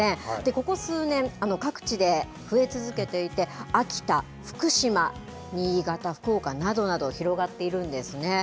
ここ数年、各地で増え続けていて、秋田、福島、新潟、福岡などなど広がっているんですね。